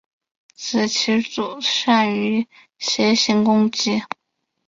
此棋组善于斜行攻击。